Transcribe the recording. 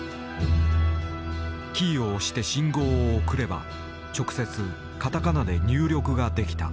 キーを押して信号を送れば直接カタカナで入力ができた。